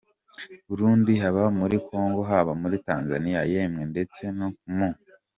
Burundi, haba muri Kongo haba muti Tanzaniya , yewe ndetse no mu